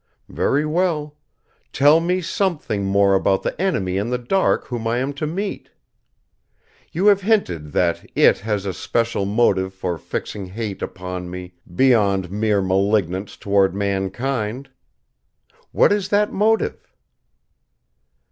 Very well. Tell me something more about the enemy in the dark whom I am to meet. You have hinted that It has a special motive for fixing hate upon me beyond mere malignance toward mankind. What is that motive?"